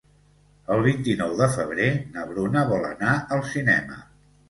El vint-i-nou de febrer na Bruna vol anar al cinema.